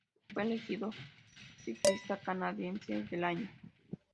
Fue elegido Ciclista Canadiense del Año.